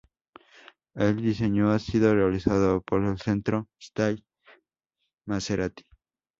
El diseño ha sido realizado por el Centro Stile Maserati.